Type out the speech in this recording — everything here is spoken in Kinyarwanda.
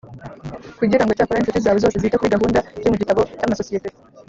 Kujyira ngo Icyakora incuti zawe zose zite kuri gahunda iri mu gitabo cy amasosiyete